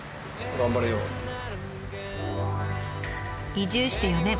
移住して４年。